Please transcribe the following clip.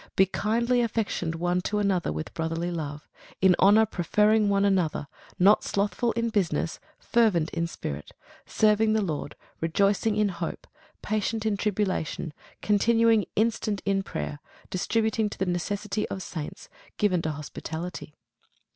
Be kindly affectioned one to another with brotherly love; in honour preferring one another; not slothful in business; fervent in spirit; serving the Lord; rejoicing in hope; patient in tribulation; continuing instant in prayer; distributing to the necessity of saints; given to hospitality.